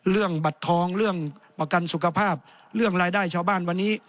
เรื่องบัตรทองเรื่องประกันสุขภาพเรื่องรายได้ชาวบ้านวันนี้